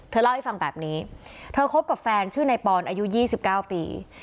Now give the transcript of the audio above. เล่าให้ฟังแบบนี้เธอคบกับแฟนชื่อนายปอนอายุ๒๙ปี